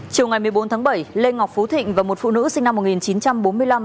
chiều ngày một mươi bốn tháng bảy lê ngọc phú thịnh và một phụ nữ sinh năm một nghìn chín trăm bốn mươi năm